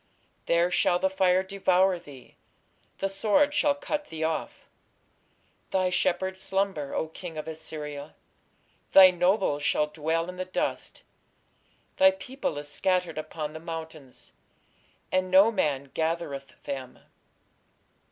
There shall the fire devour thee; the sword shall cut thee off.... Thy shepherds slumber, O king of Assyria: thy nobles shall dwell in the dust: thy people is scattered upon the mountains, and no man gathereth them.